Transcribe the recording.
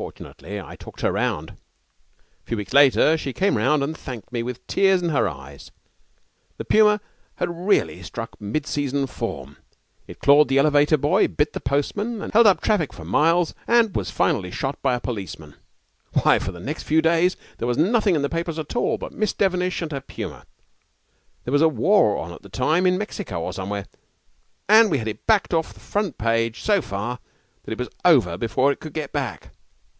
Fortunately, I talked her round. 'A few weeks later she came round and thanked me with tears in her eyes. The puma had suddenly struck real mid season form. It clawed the elevator boy, bit a postman, held up the traffic for miles, and was finally shot by a policeman. Why, for the next few days there was nothing in the papers at all but Miss Devenish and her puma. There was a war on at the time in Mexico or somewhere, and we had it backed off the front page so far that it was over before it could get back.